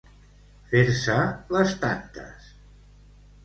Fer-se les tantes.